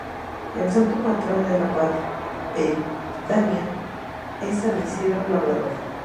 El santo patrón de la pedanía es san Isidro Labrador.